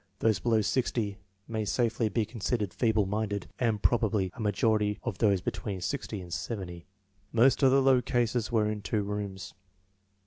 Those below 60 may safely be considered feeble minded* and probably a majority of those be tween 60 and 70. Most of the low cases were in two rooms.